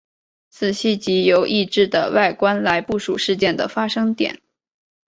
此系藉由异质的外观来部署事件的发生点。